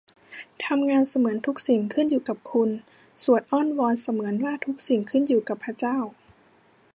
ทำงานเสมือนทุกสิ่งขึ้นอยู่กับคุณ สวดอ้อนวอนเสมือนว่าทุกสิ่งขึ้นอยู่กับพระเจ้า